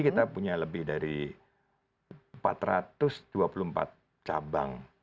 kita punya lebih dari empat ratus dua puluh empat cabang